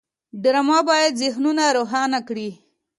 ډرامه باید ذهنونه روښانه کړي